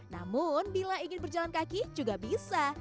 namun bila ingin berjalan kaki juga bisa